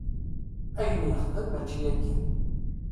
Ayen yexdem mačči akken.